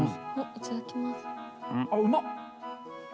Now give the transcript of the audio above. いただきます。